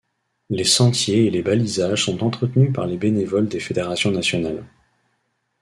Les sentiers et les balisages sont entretenus par les bénévoles des fédérations nationales.